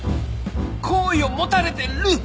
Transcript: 好意を持たれてる！